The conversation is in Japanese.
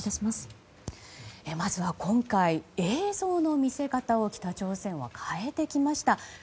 まずは今回、映像の見せ方を北朝鮮は変えてきました。